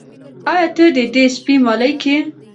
آیا ته د دې سپي مالیک یې؟